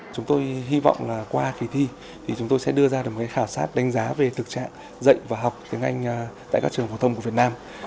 chúng tôi hy vọng là qua kỳ thi thì chúng tôi sẽ đưa ra được một khảo sát đánh giá về thực trạng dạy và học tiếng anh tại các trường phổ thông của việt nam